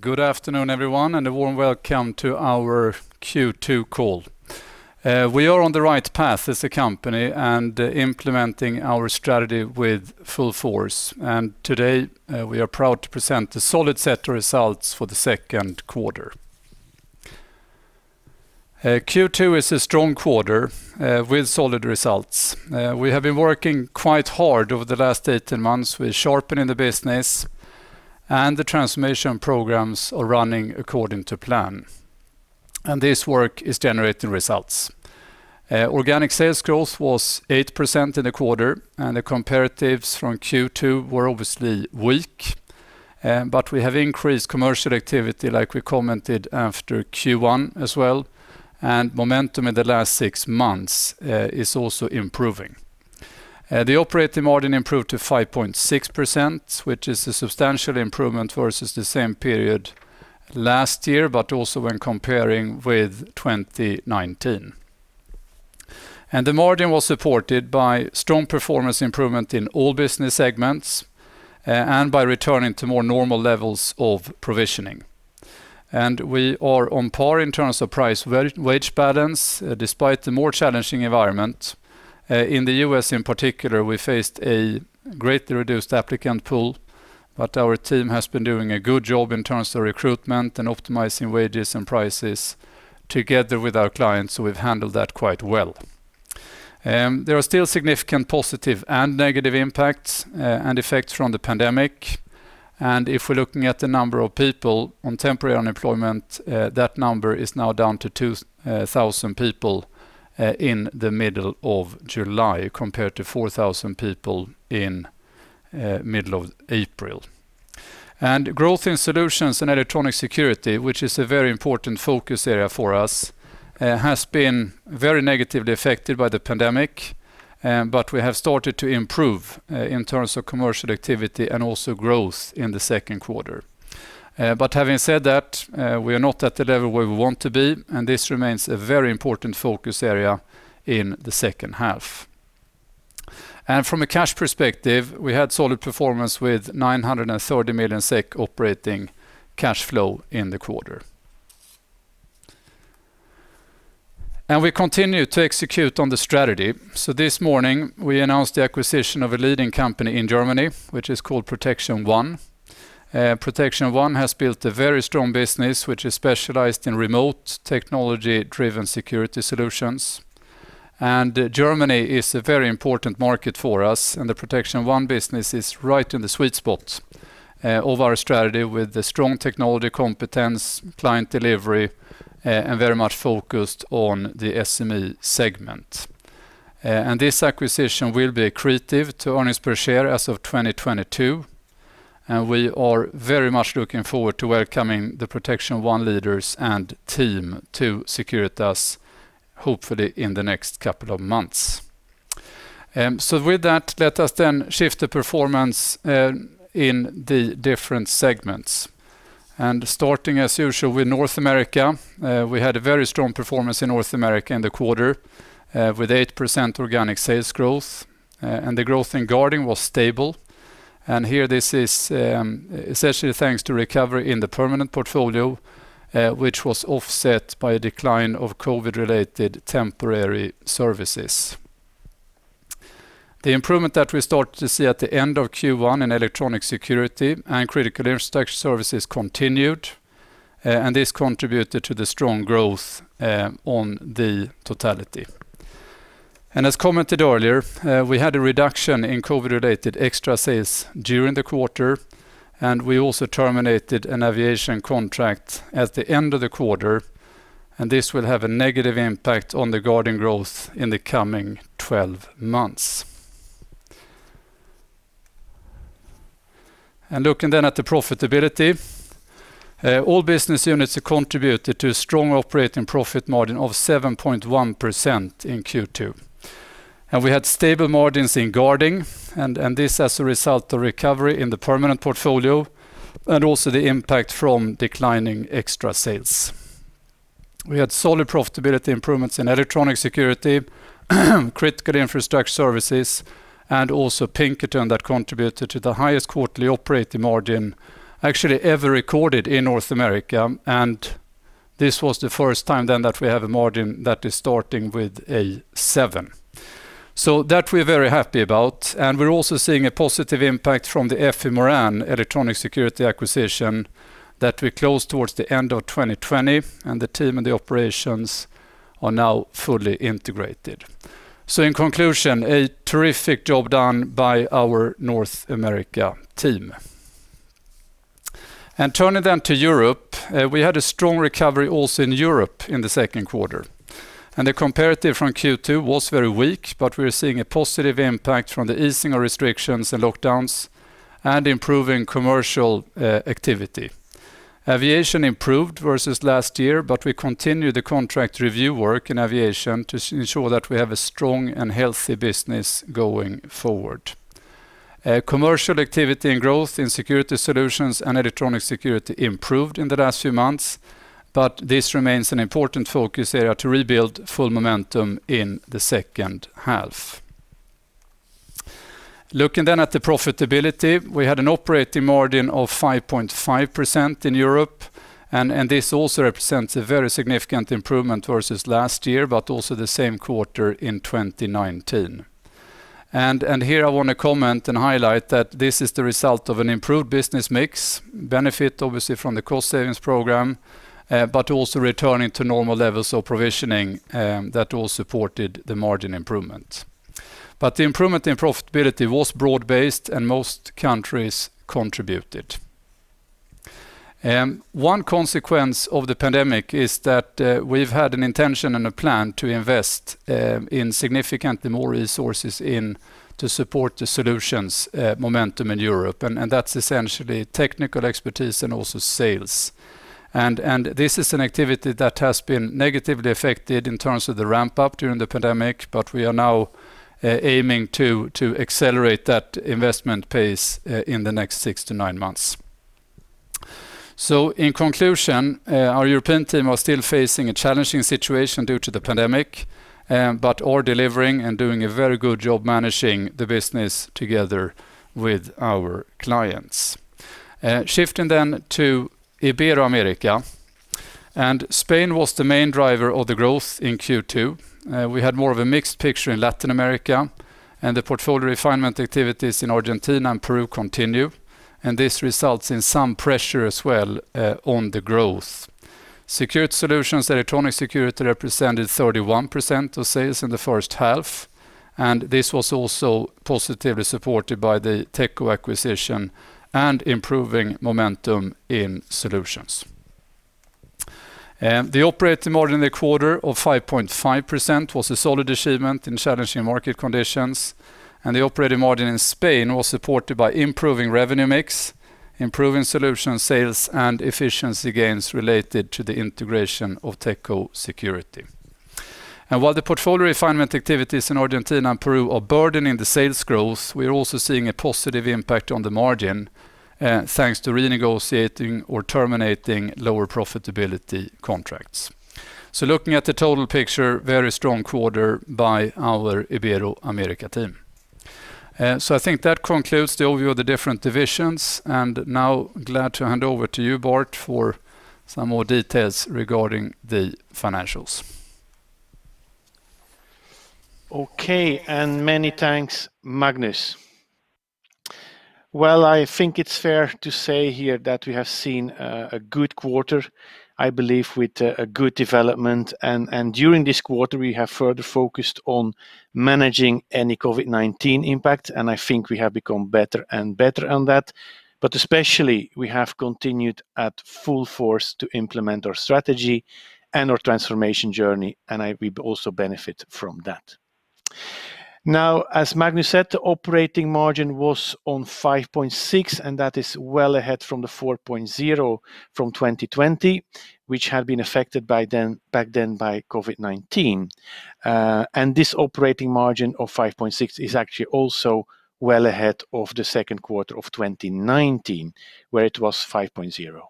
Good afternoon everyone, and warm welcome to our Q2 call. We are on the right path as a company and implementing our strategy with full force. Today, we are proud to present a solid set of results for the second quarter. Q2 is a strong quarter with solid results. We have been working quite hard over the last 18 months with sharpening the business. The transformation programs are running according to plan, and this work is generating results. Organic sales growth was 8% in the quarter, and the comparatives from Q2 were obviously weak, but we have increased commercial activity like we commented after Q1 as well. Momentum in the last six months is also improving. The operating margin improved to 5.6%, which is a substantial improvement versus the same period last year, but also when comparing with 2019. The margin was supported by strong performance improvement in all business segments and by returning to more normal levels of provisioning. We are on par in terms of price wage balance, despite the more challenging environment. In the U.S. in particular, we faced a greatly reduced applicant pool, but our team has been doing a good job in terms of recruitment and optimizing wages and prices together with our clients, so we've handled that quite well. There are still significant positive and negative impacts and effects from the pandemic. If we're looking at the number of people on temporary unemployment, that number is now down to 2,000 people in the middle of July, compared to 4,000 people in middle of April. Growth in solutions and electronic security, which is a very important focus area for us, has been very negatively affected by the pandemic. We have started to improve in terms of commercial activity and also growth in the second quarter. Having said that, we are not at the level where we want to be, and this remains a very important focus area in the second half. From a cash perspective, we had solid performance with 930 million SEK operating cash flow in the quarter. We continue to execute on the strategy. This morning, we announced the acquisition of a leading company in Germany, which is called Protection One. Protection One has built a very strong business, which is specialized in remote technology-driven security solutions. Germany is a very important market for us, and the Protection One business is right in the sweet spot of our strategy with the strong technology competence, client delivery, and very much focused on the SME segment. This acquisition will be accretive to earnings per share as of 2022, and we are very much looking forward to welcoming the Protection One leaders and team to Securitas, hopefully in the next couple of months. With that, let us then shift the performance in the different segments. Starting as usual with North America, we had a very strong performance in North America in the quarter with 8% organic sales growth, and the growth in guarding was stable. Here this is essentially thanks to recovery in the permanent portfolio, which was offset by a decline of COVID-related temporary services. The improvement that we started to see at the end of Q1 in electronic security and critical infrastructure services continued, and this contributed to the strong growth on the totality. As commented earlier, we had a reduction in COVID-related extra sales during the quarter, and we also terminated an aviation contract at the end of the quarter, and this will have a negative impact on the guarding growth in the coming 12 months. Looking at the profitability, all business units contributed to a strong operating profit margin of 7.1% in Q2. We had stable margins in guarding and this as a result of recovery in the permanent portfolio and also the impact from declining extra sales. We had solid profitability improvements in electronic security, critical infrastructure services, and also Pinkerton that contributed to the highest quarterly operating margin actually ever recorded in North America. This was the first time that we have a margin that is starting with a seven. That we're very happy about. We're also seeing a positive impact from the FE Moran electronic security acquisition that we closed towards the end of 2020, and the team and the operations are now fully integrated. In conclusion, a terrific job done by our North America team. Turning to Europe, we had a strong recovery also in Europe in the second quarter. The comparative from Q2 was very weak, but we are seeing a positive impact from the easing of restrictions and lockdowns and improving commercial activity. aviation improved versus last year, but we continue the contract review work in aviation to ensure that we have a strong and healthy business going forward. Commercial activity and growth in security solutions and electronic security improved in the last few months, but this remains an important focus area to rebuild full momentum in the second half. Looking at the profitability, we had an operating margin of 5.5% in Europe, and this also represents a very significant improvement versus last year, but also the same quarter in 2019. Here I want to comment and highlight that this is the result of an improved business mix, benefit obviously from the cost savings program, but also returning to normal levels of provisioning that all supported the margin improvement. The improvement in profitability was broad-based and most countries contributed. One consequence of the pandemic is that we've had an intention and a plan to invest in significantly more resources in to support the solutions momentum in Europe, and that's essentially technical expertise and also sales. This is an activity that has been negatively affected in terms of the ramp-up during the pandemic, but we are now aiming to accelerate that investment pace in the next 6-9 months. In conclusion, our European team are still facing a challenging situation due to the pandemic, but are delivering and doing a very good job managing the business together with our clients. Shifting then to Ibero-America, and Spain was the main driver of the growth in Q2. We had more of a mixed picture in Latin America, and the portfolio refinement activities in Argentina and Peru continue, and this results in some pressure as well on the growth. Security Solutions electronic security represented 31% of sales in the first half, and this was also positively supported by the Techco acquisition and improving momentum in solutions. The operating margin in the quarter of 5.5% was a solid achievement in challenging market conditions. The operating margin in Spain was supported by improving revenue mix, improving solution sales, and efficiency gains related to the integration of Techco Security. While the portfolio refinement activities in Argentina and Peru are burdening the sales growth, we are also seeing a positive impact on the margin thanks to renegotiating or terminating lower profitability contracts. Looking at the total picture, very strong quarter by our Ibero-America team. I think that concludes the overview of the different divisions. Now glad to hand over to you, Bart, for some more details regarding the financials. Okay, many thanks, Magnus. Well, I think it's fair to say here that we have seen a good quarter, I believe, with a good development, and during this quarter, we have further focused on managing any COVID-19 impact, and I think we have become better and better on that. Especially, we have continued at full force to implement our strategy and our transformation journey, and we also benefit from that. Now, as Magnus said, the operating margin was on 5.6%, and that is well ahead from the 4.0% from 2020, which had been affected back then by COVID-19. This operating margin of 5.6% is actually also well ahead of the second quarter of 2019, where it was 5.0%.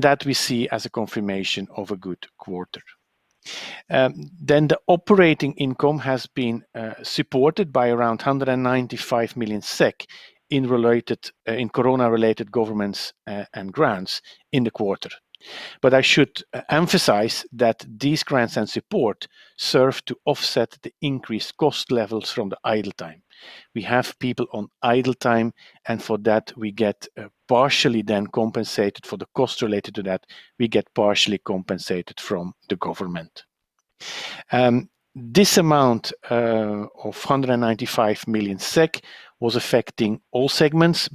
That we see as a confirmation of a good quarter. The operating income has been supported by around 195 million SEK in corona-related governments and grants in the quarter. I should emphasize that these grants and support serve to offset the increased cost levels from the idle time. We have people on idle time, and for that, we get partially then compensated for the cost related to that, we get partially compensated from the government. This amount of 195 million SEK was affecting all segments,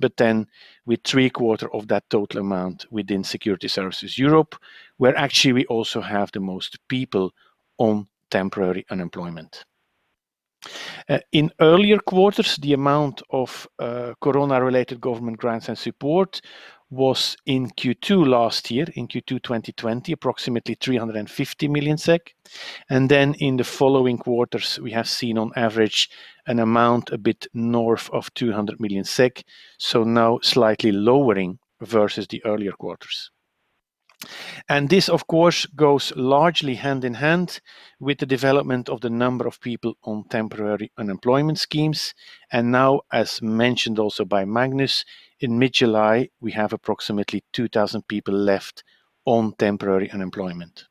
with three-quarter of that total amount within Security Services Europe, where actually we also have the most people on temporary unemployment. In earlier quarters, the amount of corona-related government grants and support was in Q2 last year, in Q2 2020, approximately 350 million SEK. In the following quarters, we have seen on average an amount a bit north of 200 million SEK, so now slightly lowering versus the earlier quarters. This, of course, goes largely hand in hand with the development of the number of people on temporary unemployment schemes. Now, as mentioned also by Magnus, in mid-July, we have approximately 2,000 people left on temporary unemployment.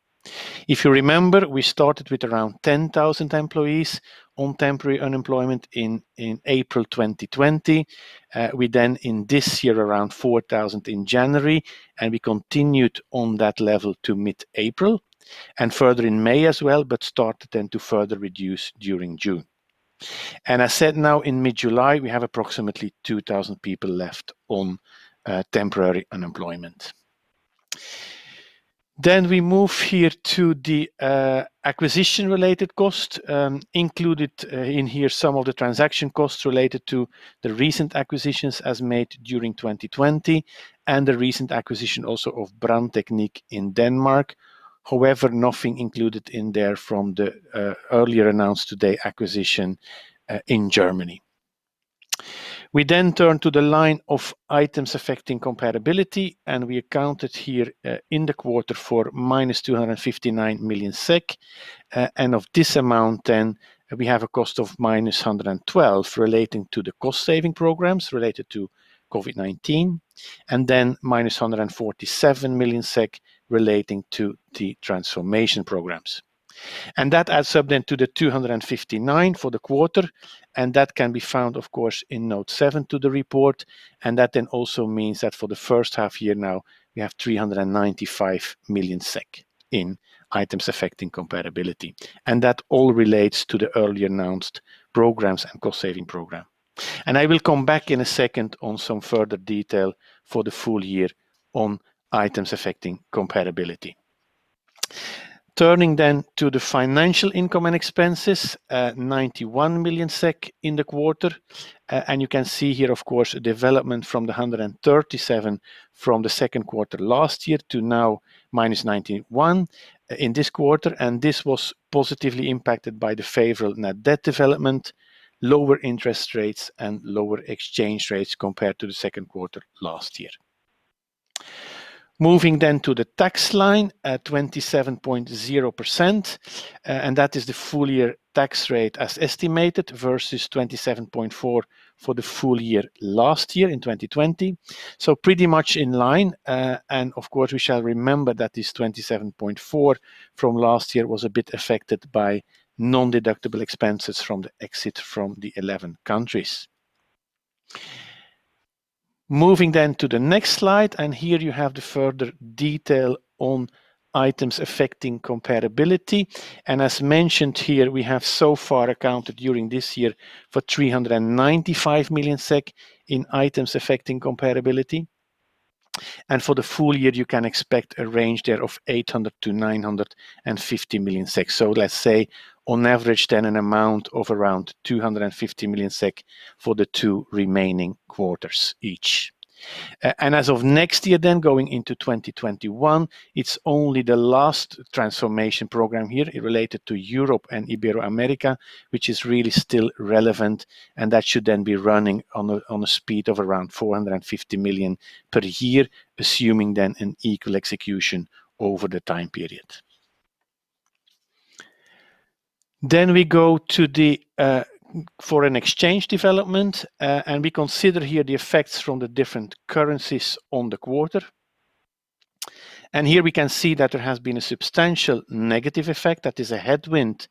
If you remember, we started with around 10,000 employees on temporary unemployment in April 2020. We in this year, around 4,000 in January, and we continued on that level to mid-April, and further in May as well, but started then to further reduce during June. I said now in mid-July, we have approximately 2,000 people left on temporary unemployment. We move here to the acquisition-related cost. Included in here some of the transaction costs related to the recent acquisitions as made during 2020 and the recent acquisition also of Dansk Brandteknik in Denmark. However, nothing included in there from the earlier announced today acquisition in Germany. We then turn to the line of items affecting comparability, and we accounted here in the quarter for minus 259 million SEK. Of this amount, then we have a cost of minus 112 million relating to the cost-saving programs related to COVID-19, and then minus 147 million SEK relating to the transformation programs. That adds up then to 259 million for the quarter, and that can be found, of course, in note seven to the report, and that then also means that for the first half year now, we have 395 million SEK in items affecting comparability. That all relates to the earlier announced programs and cost-saving program. I will come back in a second on some further detail for the full year on items affecting comparability. Turning then to the financial income and expenses, 91 million SEK in the quarter. You can see here, of course, development from 137 from the second quarter last year to now minus 91 in this quarter. This was positively impacted by the favorable net debt development, lower interest rates, and lower exchange rates compared to the second quarter last year. Moving then to the tax line at 27.0%, and that is the full-year tax rate as estimated versus 27.4% for the full year last year in 2020. Pretty much in line. Of course, we shall remember that this 27.4% from last year was a bit affected by non-deductible expenses from the exit from the 11 countries. Moving then to the next slide, here you have the further detail on items affecting comparability. As mentioned here, we have so far accounted during this year for 395 million SEK in items affecting comparability. For the full year, you can expect a range there of 800 million-950 million SEK. Let's say on average, then an amount of around 250 million SEK for the two remaining quarters each. As of next year then going into 2021, it's only the last transformation program here related to Europe and Ibero-America, which is really still relevant, and that should then be running on a speed of around 450 million per year, assuming then an equal execution over the time period. We go to the foreign exchange development, and we consider here the effects from the different currencies on the quarter. Here we can see that there has been a substantial negative effect, that is a headwind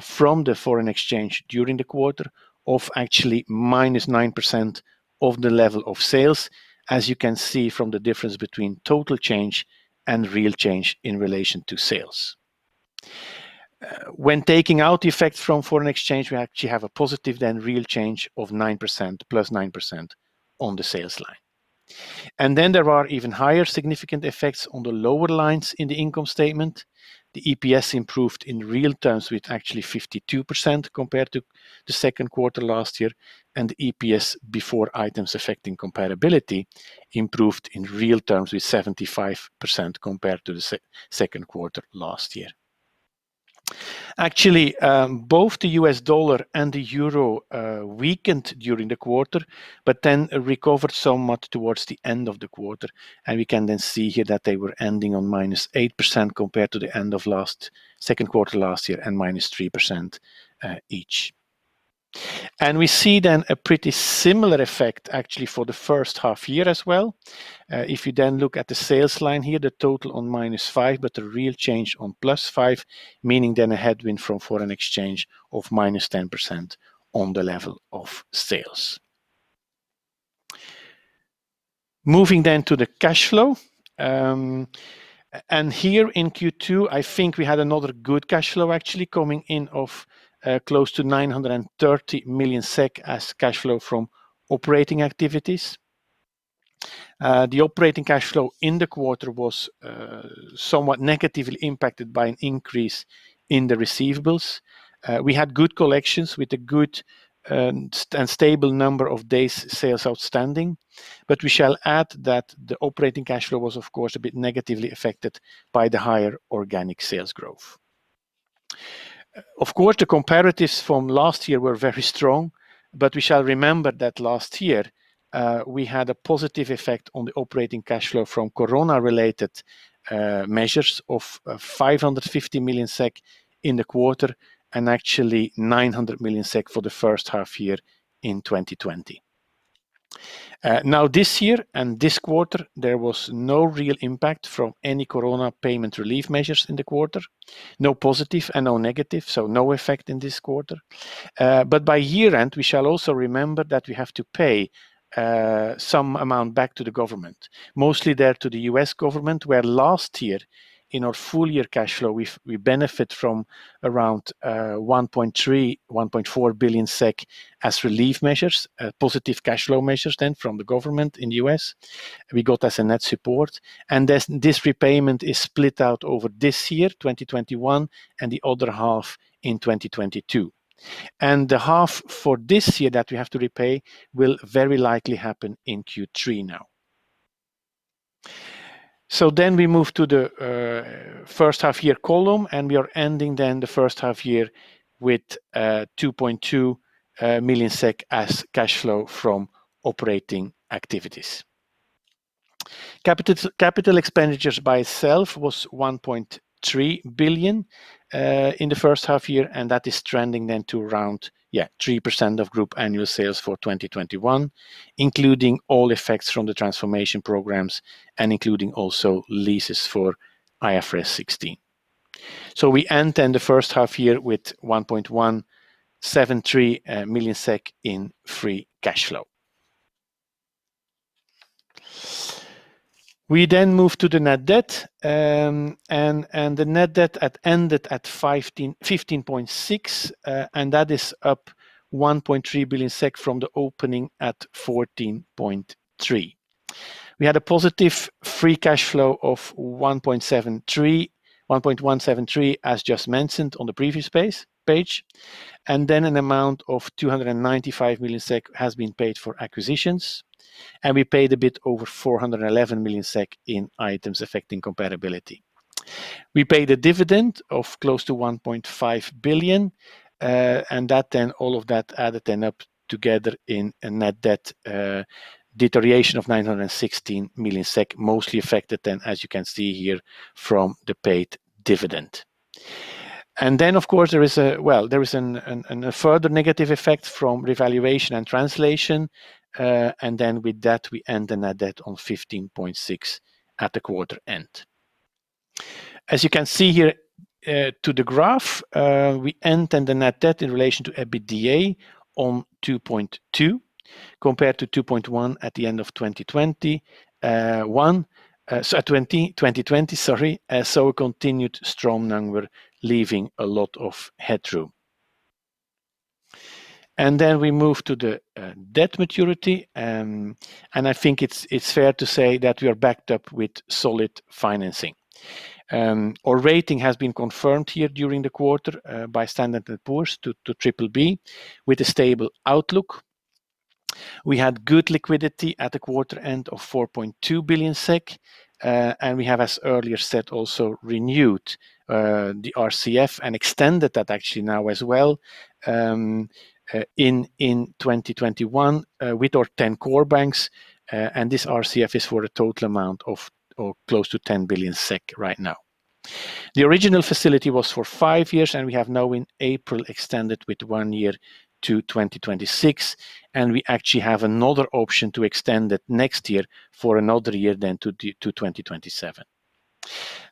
from the foreign exchange during the quarter of actually -9% of the level of sales, as you can see from the difference between total change and real change in relation to sales. When taking out the effect from foreign exchange, we actually have a positive then real change of 9%, +9% on the sales line. There are even higher significant effects on the lower lines in the income statement. The EPS improved in real terms with actually 52% compared to the second quarter last year, and EPS before items affecting comparability improved in real terms with 75% compared to the second quarter last year. Actually, both the U.S. dollar and the euro weakened during the quarter, but then recovered somewhat towards the end of the quarter. We can then see here that they were ending on -8% compared to the end of second quarter last year and -3% each. We see then a pretty similar effect actually for the first half-year as well. If you then look at the sales line here, the total on -5%, but the real change on +5%, meaning then a headwind from foreign exchange of -10% on the level of sales. Moving then to the cash flow. Here in Q2, I think we had another good cash flow actually coming in of close to 930 million SEK as cash flow from operating activities. The operating cash flow in the quarter was somewhat negatively impacted by an increase in the receivables. We had good collections with a good and stable number of days sales outstanding, but we shall add that the operating cash flow was, of course, a bit negatively affected by the higher organic sales growth. Of course, the comparatives from last year were very strong, but we shall remember that last year, we had a positive effect on the operating cash flow from corona-related measures of 550 million SEK in the quarter and actually 900 million SEK for the first half year in 2020. This year and this quarter, there was no real impact from any corona payment relief measures in the quarter. No positive and no negative, so no effect in this quarter. By year-end, we shall also remember that we have to pay some amount back to the government. Mostly there to the U.S. government, where last year in our full year cash flow, we benefit from around 1.3 billion, 1.4 billion SEK as relief measures, positive cash flow measures then from the government in the U.S. We got as a net support. This repayment is split out over this year, 2021, and the other half in 2022. The half for this year that we have to repay will very likely happen in Q3 now. We move to the first half year column, and we are ending then the first half year with 2.2 million SEK as cash flow from operating activities. Capital expenditures by itself was 1.3 billion in the first half year, and that is trending then to around 3% of group annual sales for 2021, including all effects from the transformation programs and including also leases for IFRS 16. We end then the first half year with 1.173 million SEK in free cash flow. We then move to the net debt, and the net debt had ended at 15.6 billion. That is up 1.3 billion SEK from the opening at 14.3 billion. We had a positive free cash flow of 1.173 million, as just mentioned on the previous page, and an amount of 295 million SEK has been paid for acquisitions. We paid a bit over 411 million SEK in items affecting comparability. We paid a dividend of close to 1.5 billion. All of that added then up together in a net debt deterioration of 916 million SEK, mostly affected then, as you can see here, from the paid dividend. Of course, there is a further negative effect from revaluation and translation. With that, we end the net debt on 15.6 at the quarter end. As you can see here to the graph, we end the net debt in relation to EBITDA on 2.2 compared to 2.1 at the end of 2020. A continued strong number, leaving a lot of headroom. We move to the debt maturity, and I think it's fair to say that we are backed up with solid financing. Our rating has been confirmed here during the quarter by Standard & Poor's to BBB with a stable outlook. We had good liquidity at the quarter end of 4.2 billion SEK, and we have, as earlier said, also renewed the RCF and extended that actually now as well in 2021 with our 10 core banks, and this RCF is for a total amount of close to 10 billion SEK right now. The original facility was for five years, and we have now in April extended with one year to 2026, and we actually have another option to extend it next year for another year then to 2027.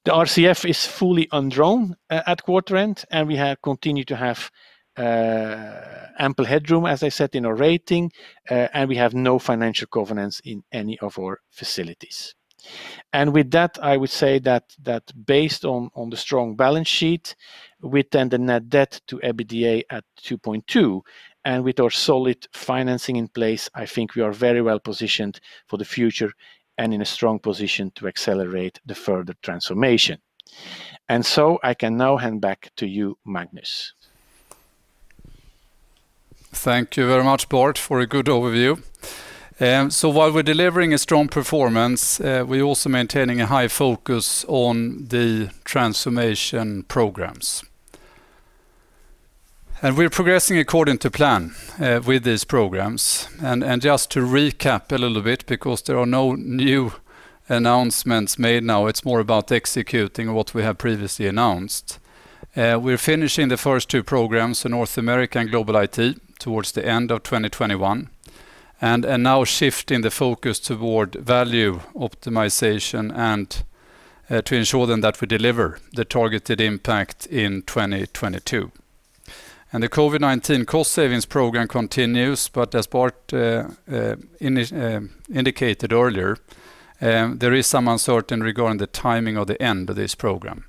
The RCF is fully undrawn at quarter end, and we continue to have ample headroom, as I said, in our rating, and we have no financial covenants in any of our facilities. With that, I would say that based on the strong balance sheet with then the net debt to EBITDA at 2.2, and with our solid financing in place, I think we are very well-positioned for the future and in a strong position to accelerate the further transformation. I can now hand back to you, Magnus. Thank you very much, Bart, for a good overview. While we're delivering a strong performance, we're also maintaining a high focus on the transformation programs. We're progressing according to plan with these programs. Just to recap a little bit, because there are no new announcements made now, it's more about executing what we have previously announced. We're finishing the first two programs in North America and Global IT towards the end of 2021 and are now shifting the focus toward value optimization and to ensure then that we deliver the targeted impact in 2022. The COVID-19 cost savings program continues, but as Bart indicated earlier, there is some uncertainty regarding the timing of the end of this program.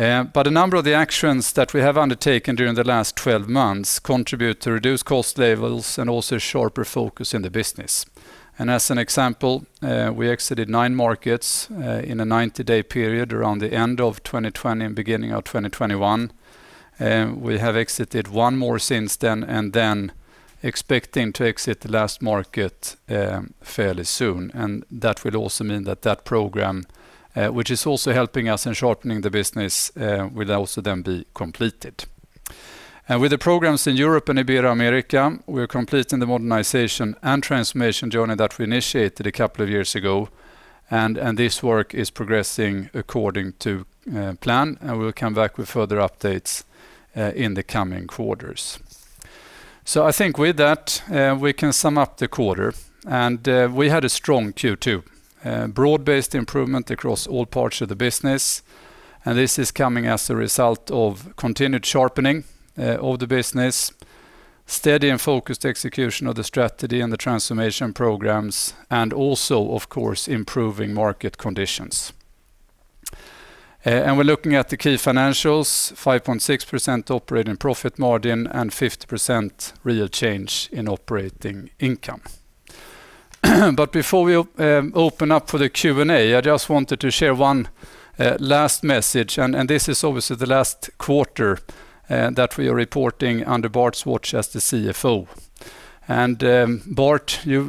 A number of the actions that we have undertaken during the last 12 months contribute to reduced cost levels and also sharper focus in the business. As an example, we exited nine markets in a 90-day period around the end of 2020 and beginning of 2021. We have exited one more since then, and then expecting to exit the last market fairly soon. That will also mean that that program, which is also helping us in sharpening the business, will also then be completed. With the programs in Europe and Securitas Ibero-America, we are completing the modernization and transformation journey that we initiated a couple of years ago, and this work is progressing according to plan, and we will come back with further updates in the coming quarters. I think with that, we can sum up the quarter. We had a strong Q2. Broad-based improvement across all parts of the business, this is coming as a result of continued sharpening of the business, steady and focused execution of the strategy and the transformation programs, also, of course, improving market conditions. We're looking at the key financials, 5.6% operating profit margin and 50% real change in operating income. Before we open up for the Q&A, I just wanted to share one last message, this is obviously the last quarter that we are reporting under Bart's watch as the CFO.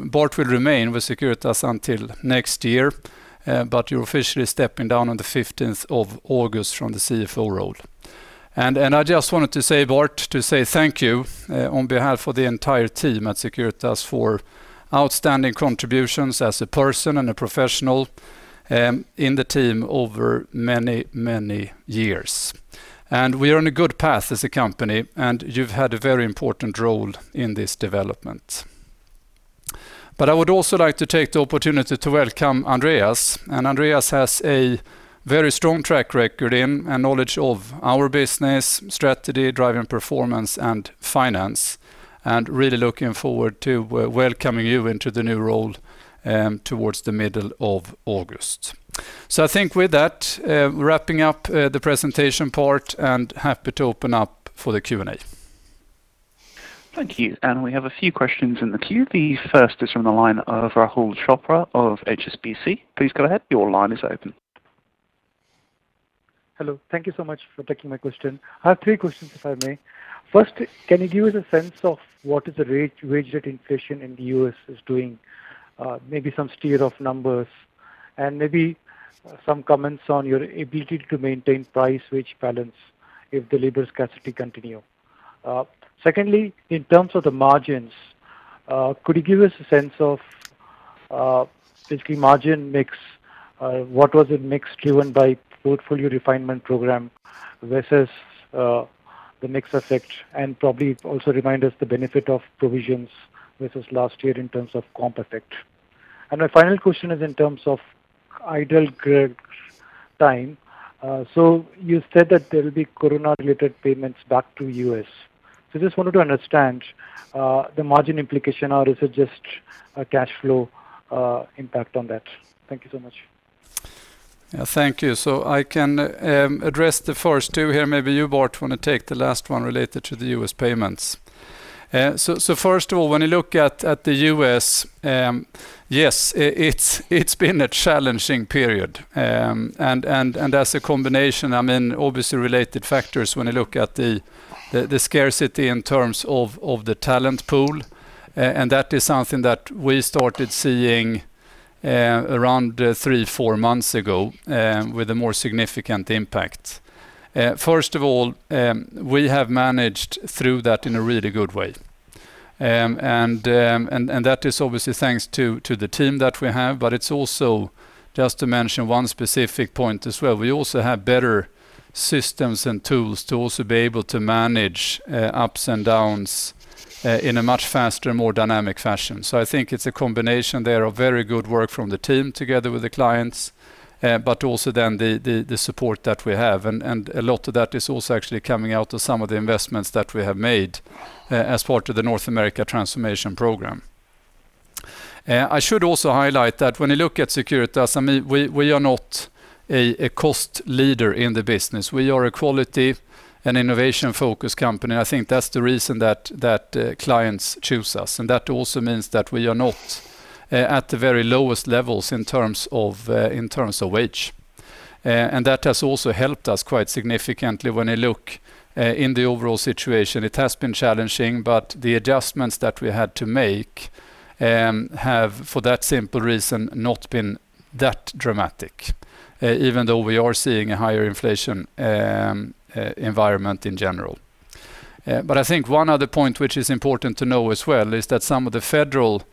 Bart will remain with Securitas until next year, you're officially stepping down on the 15th of August from the CFO role. I just wanted to say, Bart, to say thank you on behalf of the entire team at Securitas for outstanding contributions as a person and a professional in the team over many, many years. We are on a good path as a company, and you've had a very important role in this development. I would also like to take the opportunity to welcome Andreas. Andreas has a very strong track record in, and knowledge of our business, strategy, driving performance, and finance, and really looking forward to welcoming you into the new role towards the middle of August. I think with that, wrapping up the presentation part and happy to open up for the Q&A. Thank you. We have a few questions in the queue. The first is from the line of Rahul Chopra of HSBC. Please go ahead. Your line is open. Hello, thank you so much for taking my question. I have three questions, if I may. First, can you give us a sense of what is the wage rate inflation in the U.S. doing? Maybe some steer of numbers and maybe some comments on your ability to maintain price wage balance if the labor scarcity continue. Secondly, in terms of the margins, could you give us a sense of basically margin mix? What was the mix driven by portfolio refinement program versus the mix effect? Probably also remind us the benefit of provisions versus last year in terms of comp effect. My final question is in terms of idle grid time. You said that there will be corona-related payments back to U.S. Just wanted to understand the margin implication or is it just a cash flow impact on that? Thank you so much. Yeah, thank you. I can address the first two here. Maybe you, Bart, want to take the last one related to the U.S. payments. First of all, when you look at the U.S., yes, it's been a challenging period. As a combination, obviously related factors when you look at the scarcity in terms of the talent pool. That is something that we started seeing around three, four months ago with a more significant impact. First of all, we have managed through that in a really good way. That is obviously thanks to the team that we have, but it's also just to mention one specific point as well. We also have better systems and tools to also be able to manage ups and downs in a much faster and more dynamic fashion. I think it's a combination there of very good work from the team together with the clients, but also the support that we have. A lot of that is also actually coming out of some of the investments that we have made as part of the North America Transformation Program. I should also highlight that when you look at Securitas, we are not a cost leader in the business. We are a quality and innovation-focused company. I think that's the reason that clients choose us. That also means that we are not at the very lowest levels in terms of wage. That has also helped us quite significantly when you look in the overall situation. It has been challenging, but the adjustments that we had to make have, for that simple reason, not been that dramatic, even though we are seeing a higher inflation environment in general. I think one other point which is important to know as well is that some of the federal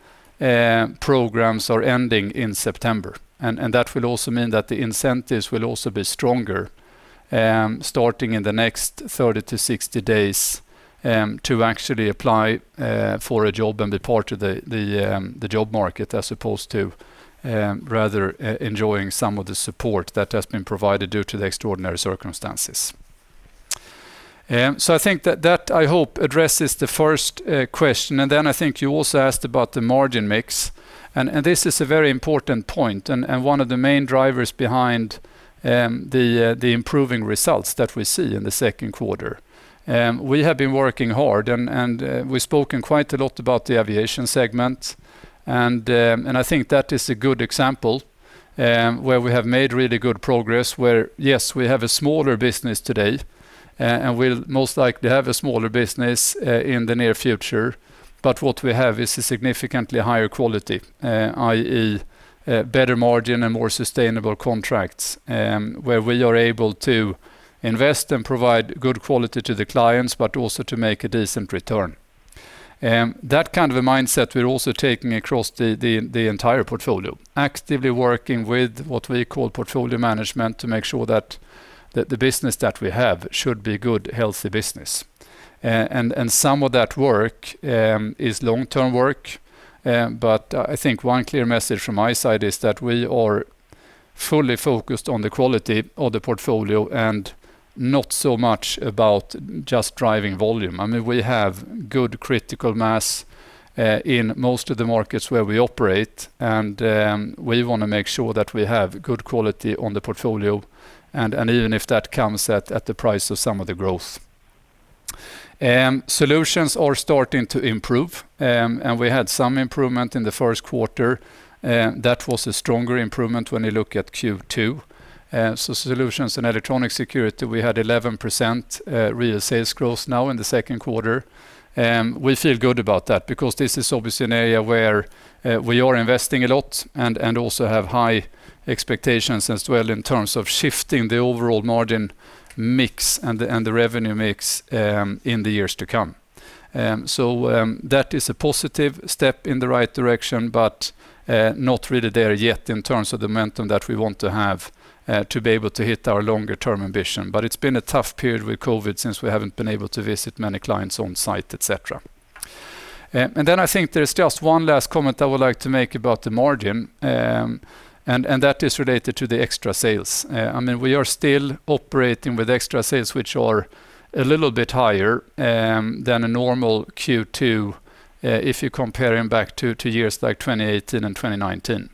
programs are ending in September. That will also mean that the incentives will also be stronger, starting in the next 30 to 60 days, to actually apply for a job and be part of the job market as opposed to rather enjoying some of the support that has been provided due to the extraordinary circumstances. I think that, I hope addresses the first question. Then I think you also asked about the margin mix. This is a very important point and one of the main drivers behind the improving results that we see in the second quarter. We have been working hard, and we've spoken quite a lot about the aviation segment, and I think that is a good example where we have made really good progress where, yes, we have a smaller business today, and we'll most likely have a smaller business in the near future. What we have is a significantly higher quality, i.e., better margin and more sustainable contracts, where we are able to invest and provide good quality to the clients, but also to make a decent return. That kind of a mindset we're also taking across the entire portfolio, actively working with what we call portfolio management to make sure that the business that we have should be good, healthy business. Some of that work is long-term work, but I think one clear message from my side is that we are fully focused on the quality of the portfolio and not so much about just driving volume. We have good critical mass in most of the markets where we operate, and we want to make sure that we have good quality on the portfolio, even if that comes at the price of some of the growth. Solutions are starting to improve, and we had some improvement in the first quarter. That was a stronger improvement when you look at Q2. Solutions and electronic security, we had 11% real sales growth now in the second quarter. We feel good about that because this is obviously an area where we are investing a lot and also have high expectations as well in terms of shifting the overall margin mix and the revenue mix in the years to come. That is a positive step in the right direction, but not really there yet in terms of the momentum that we want to have to be able to hit our longer-term ambition. It's been a tough period with COVID since we haven't been able to visit many clients on site, et cetera. I think there's just one last comment I would like to make about the margin, and that is related to the extra sales. We are still operating with extra sales, which are a little bit higher than a normal Q2 if you're comparing back to years like 2018 and 2019.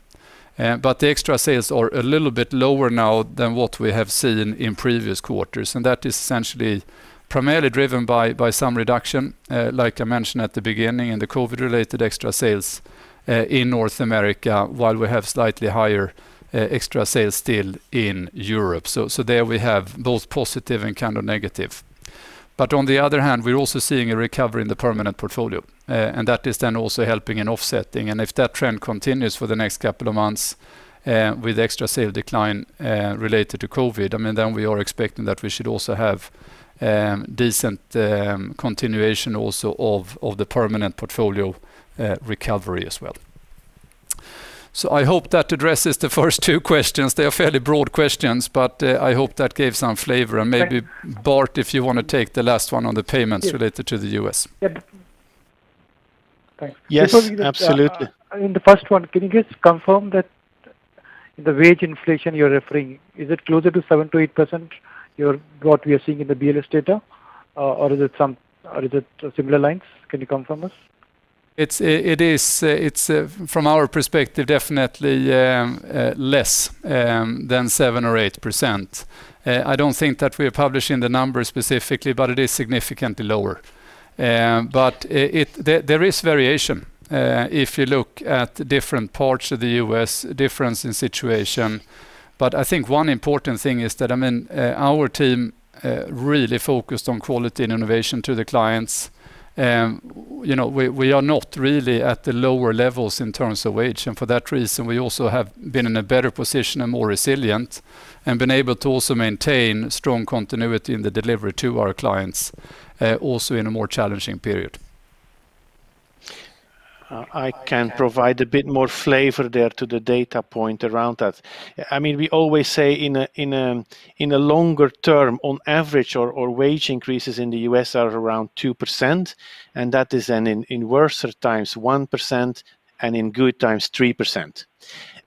The extra sales are a little bit lower now than what we have seen in previous quarters, and that is essentially primarily driven by some reduction, like I mentioned at the beginning, in the COVID-19-related extra sales in North America while we have slightly higher extra sales still in Europe. There we have both positive and kind of negative. On the other hand, we are also seeing a recovery in the permanent portfolio. That is then also helping in offsetting, and if that trend continues for the next couple of months with extra sales decline related to COVID-19, then we are expecting that we should also have decent continuation also of the permanent portfolio recovery as well. I hope that addresses the first two questions. They are fairly broad questions, but I hope that gave some flavor. Maybe, Bart, if you want to take the last one on the payments related to the U.S. Yes, absolutely. In the first one, can you just confirm that the wage inflation you're referring, is it closer to 7%-8% what we are seeing in the BLS data, or is it similar lines? Can you confirm this? It is from our perspective definitely less than 7 or 8%. I don't think that we are publishing the numbers specifically, but it is significantly lower. There is variation if you look at different parts of the U.S., difference in situation. I think one important thing is that our team really focused on quality and innovation to the clients. We are not really at the lower levels in terms of wage, and for that reason, we also have been in a better position and more resilient and been able to also maintain strong continuity in the delivery to our clients also in a more challenging period. I can provide a bit more flavor there to the data point around that. We always say in a longer term, on average, our wage increases in the U.S. are around 2%, and that is then in worser times 1% and in good times 3%.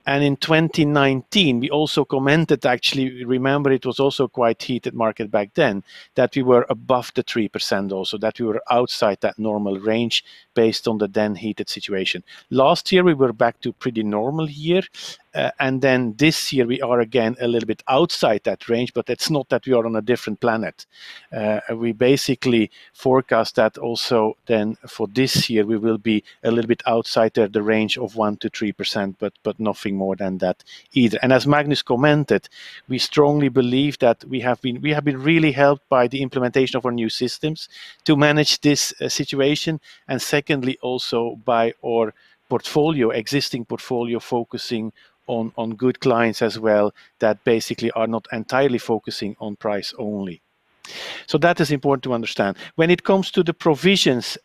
In 2019, we also commented actually, remember it was also quite heated market back then, that we were above the 3% also, that we were outside that normal range based on the then heated situation. Last year, we were back to pretty normal year, and then this year we are again a little bit outside that range, but it's not that we are on a different planet. We basically forecast that also then for this year, we will be a little bit outside the range of 1%-3%, but nothing more than that either. As Magnus commented, we strongly believe that we have been really helped by the implementation of our new systems to manage this situation, and secondly, also by our existing portfolio focusing on good clients as well, that basically are not entirely focusing on price only. That is important to understand. When it comes to the provisions,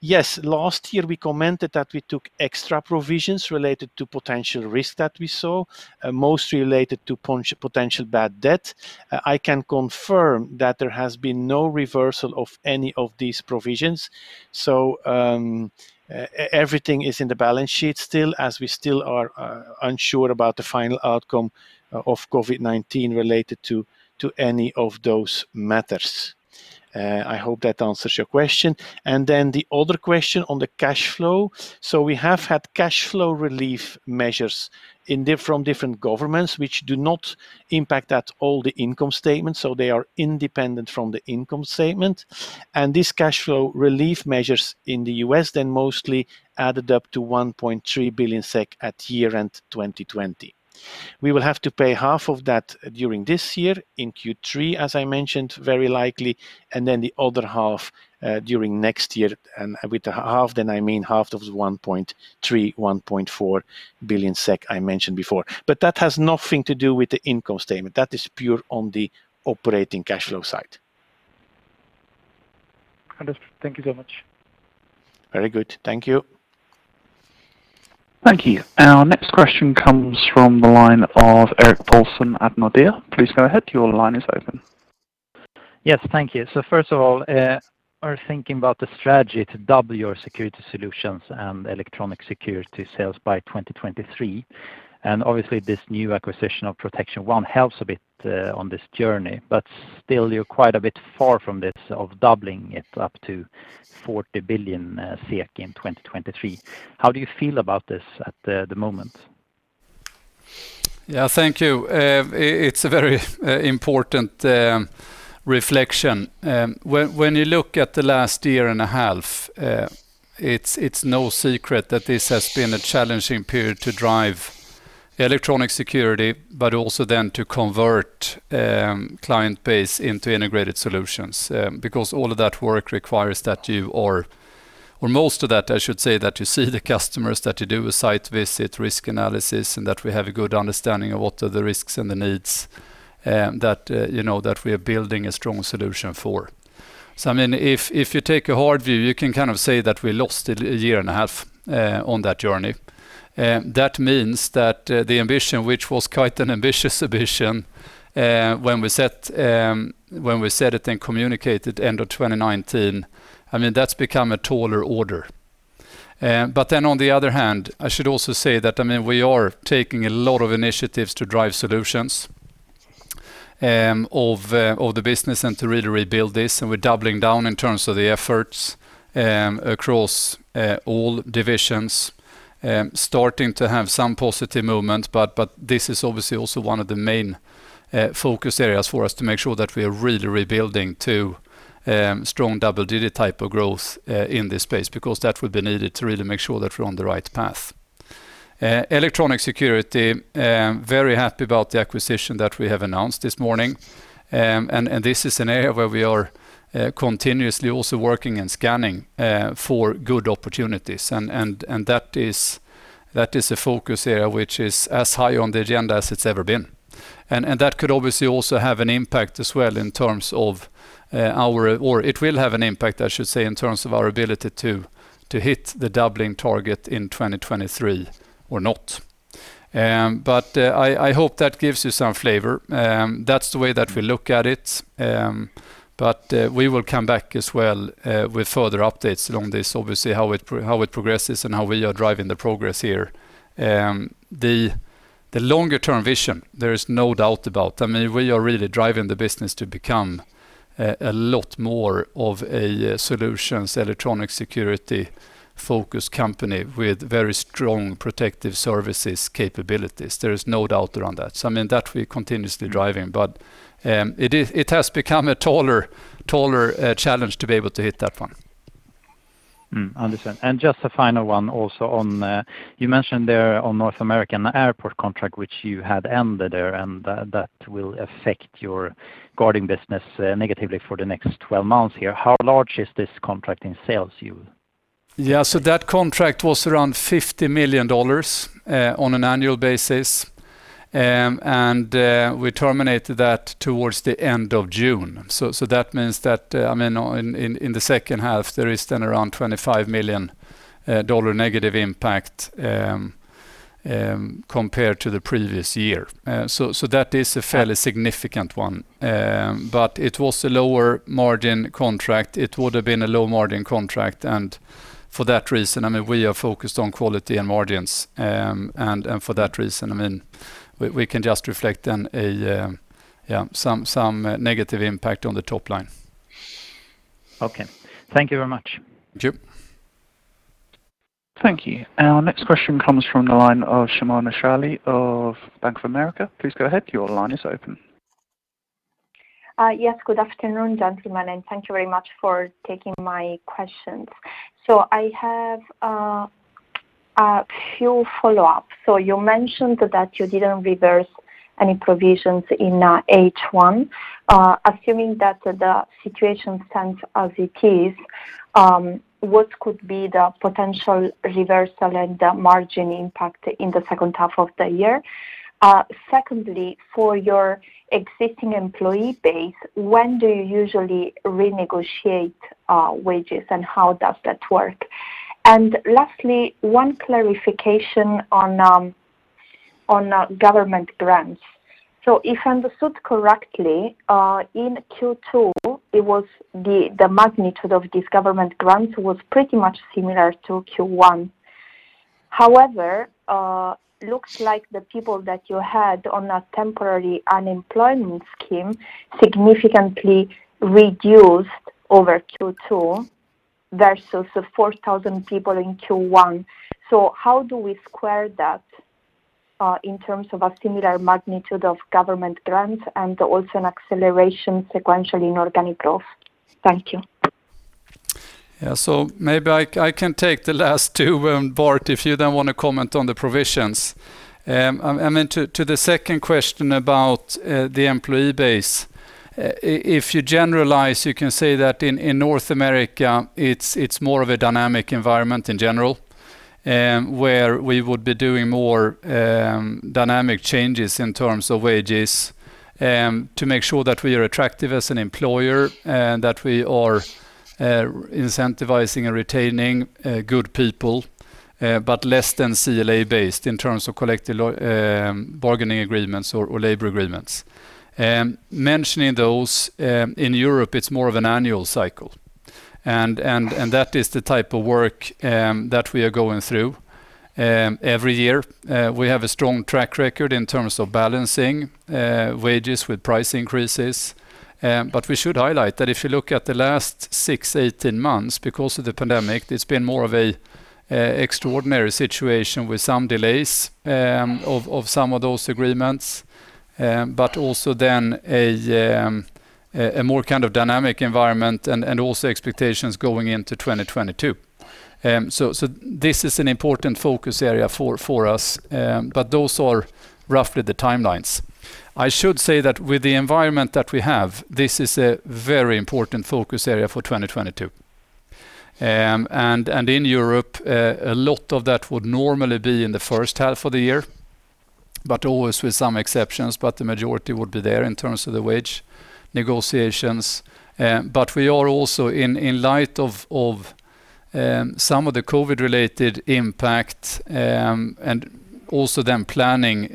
yes, last year we commented that we took extra provisions related to potential risk that we saw, most related to potential bad debt. I can confirm that there has been no reversal of any of these provisions. Everything is in the balance sheet still, as we still are unsure about the final outcome of COVID-19 related to any of those matters. I hope that answers your question. The other question on the cash flow. We have had cash flow relief measures from different governments which do not impact at all the income statement, so they are independent from the income statement. This cash flow relief measures in the U.S. then mostly added up to 1.3 billion SEK at year-end 2020. We will have to pay half of that during this year in Q3, as I mentioned, very likely, and then the other half during next year. With the half, then I mean half of the 1.3 billion SEK, 1.4 billion SEK I mentioned before, but that has nothing to do with the income statement. That is pure on the operating cash flow side. Understood. Thank you so much. Very good. Thank you. Thank you. Our next question comes from the line of Erik Paulsson at Nordea. Please go ahead. Yes. Thank you. First of all, are you thinking about the strategy to double your security solutions and electronic security sales by 2023? Obviously this new acquisition of Protection One helps a bit on this journey, but still you're quite a bit far from this of doubling it up to 40 billion SEK in 2023. How do you feel about this at the moment? Yeah, thank you. It's a very important reflection. When you look at the last year and a half, it's no secret that this has been a challenging period to drive electronic security, but also then to convert client base into integrated solutions, because all of that work requires that you or most of that, I should say, that you see the customers, that you do a site visit, risk analysis, and that we have a good understanding of what are the risks and the needs that we are building a strong solution for. If you take a hard view, you can say that we lost a year and a half on that journey. That means that the ambition, which was quite an ambitious ambition, when we set it and communicated end of 2019, that's become a taller order. On the other hand, I should also say that we are taking a lot of initiatives to drive solutions of the business and to really rebuild this, and we're doubling down in terms of the efforts across all divisions. Starting to have some positive movement, but this is obviously also one of the main focus areas for us to make sure that we are really rebuilding to strong double-digit type of growth in this space, because that will be needed to really make sure that we're on the right path. Electronic security, very happy about the acquisition that we have announced this morning. This is an area where we are continuously also working and scanning for good opportunities, and that is a focus area which is as high on the agenda as it's ever been. That could obviously also have an impact as well in terms of our, or it will have an impact, I should say, in terms of our ability to hit the doubling target in 2023 or not. I hope that gives you some flavor. That's the way that we look at it, but we will come back as well with further updates along this, obviously, how it progresses and how we are driving the progress here. The longer-term vision, there is no doubt about, we are really driving the business to become a lot more of a solutions electronic security-focused company with very strong protective services capabilities. There is no doubt around that. That we're continuously driving, but it has become a taller challenge to be able to hit that one. Understand. Just a final one also on, you mentioned there on North American airport contract, which you had ended there, and that will affect your guarding business negatively for the next 12 months here. How large is this contract in sales you? That contract was around $50 million on an annual basis. We terminated that towards the end of June. That means that in the second half, there is then around $25 million negative impact compared to the previous year. That is a fairly significant one, but it was a lower margin contract. It would've been a low-margin contract. For that reason, we are focused on quality and margins. For that reason, we can just reflect on some negative impact on the top line. Okay. Thank you very much. Thank you. Thank you. Our next question comes from the line of Simona Sarli of Bank of America. Please go ahead. Your line is open. Yes. Good afternoon, gentlemen, and thank you very much for taking my questions. I have a few follow-ups. You mentioned that you didn't reverse any provisions in H1. Assuming that the situation stands as it is, what could be the potential reversal and the margin impact in the second half of the year? Secondly, for your existing employee base, when do you usually renegotiate wages, and how does that work? Lastly, one clarification on government grants. If I understood correctly, in Q2, the magnitude of this government grant was pretty much similar to Q1. However, looks like the people that you had on a temporary unemployment scheme significantly reduced over Q2 versus the 4,000 people in Q1. How do we square that in terms of a similar magnitude of government grants and also an acceleration sequentially in organic growth? Thank you. Maybe I can take the last two, and Bart, if you then want to comment on the provisions. To the second question about the employee base, if you generalize, you can say that in North America, it's more of a dynamic environment in general, where we would be doing more dynamic changes in terms of wages to make sure that we are attractive as an employer and that we are incentivizing and retaining good people, but less than CLA based in terms of collective bargaining agreements or labor agreements. Mentioning those, in Europe, it's more of an annual cycle. That is the type of work that we are going through every year. We have a strong track record in terms of balancing wages with price increases. We should highlight that if you look at the last six, 18 months, because of the pandemic, it's been more of a extraordinary situation with some delays of some of those agreements, but also then a more kind of dynamic environment and also expectations going into 2022. This is an important focus area for us, but those are roughly the timelines. I should say that with the environment that we have, this is a very important focus area for 2022. In Europe, a lot of that would normally be in the first half of the year, but always with some exceptions, but the majority would be there in terms of the wage negotiations. We are also in light of some of the COVID-related impact, and also then planning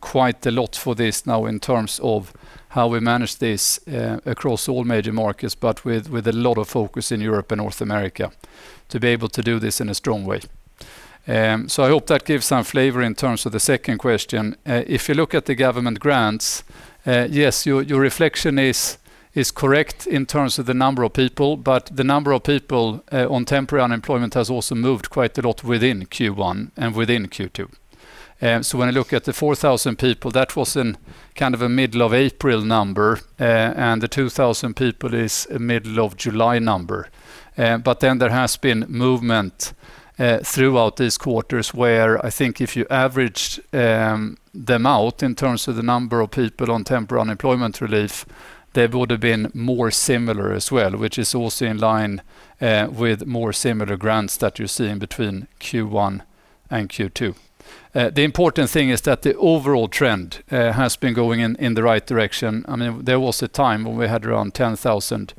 quite a lot for this now in terms of how we manage this across all major markets, but with a lot of focus in Europe and North America to be able to do this in a strong way. I hope that gives some flavor in terms of the second question. If you look at the government grants, yes, your reflection is correct in terms of the number of people, but the number of people on temporary unemployment has also moved quite a lot within Q1 and within Q2. When I look at the 4,000 people, that was in kind of a middle of April number, and the 2,000 people is a middle of July number. There has been movement throughout these quarters where I think if you averaged them out in terms of the number of people on temporary unemployment relief, they would have been more similar as well, which is also in line with more similar grants that you're seeing between Q1 and Q2. The important thing is that the overall trend has been going in the right direction. There was a time when we had around 10,000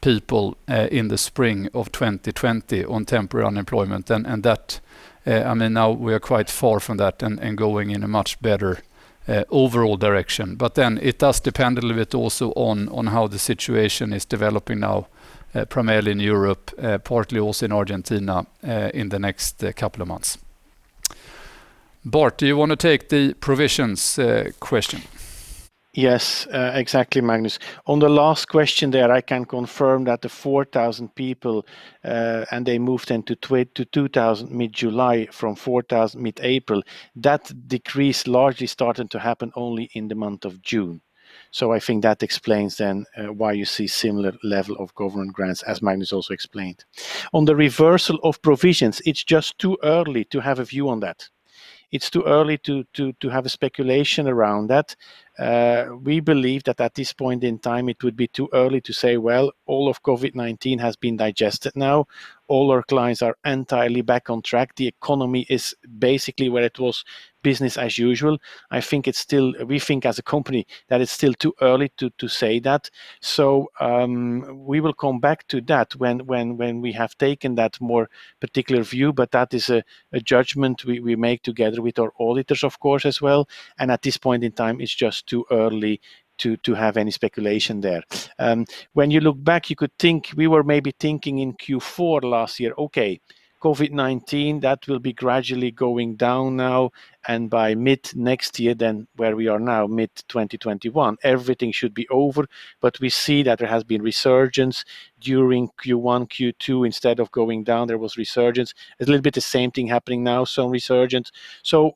people in the spring of 2020 on temporary unemployment, and now we are quite far from that and going in a much better overall direction. It does depend a little bit also on how the situation is developing now, primarily in Europe, partly also in Argentina, in the next couple of months. Bart, do you want to take the provisions question? Yes. Exactly, Magnus. On the last question there, I can confirm that the 4,000 people, and they moved then to 2,000 mid-July from 4,000 mid-April. That decrease largely started to happen only in the month of June. I think that explains then why you see similar level of government grants, as Magnus also explained. On the reversal of provisions, it's just too early to have a view on that. It's too early to have a speculation around that. We believe that at this point in time, it would be too early to say, "Well, all of COVID-19 has been digested now. All our clients are entirely back on track. The economy is basically where it was business as usual." We think as a company that it's still too early to say that. We will come back to that when we have taken that more particular view, but that is a judgment we make together with our auditors, of course as well, and at this point in time, it's just too early to have any speculation there. When you look back, you could think we were maybe thinking in Q4 last year, "Okay, COVID-19, that will be gradually going down now, and by mid next year, then where we are now, mid-2021, everything should be over." We see that there has been resurgence during Q1, Q2. Instead of going down, there was resurgence. A little bit the same thing happening now, some resurgence.